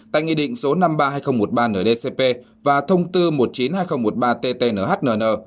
tại nghị định số năm trăm ba mươi hai nghìn một mươi ba ndcp và thông tư một trăm chín mươi hai nghìn một mươi ba ttnhn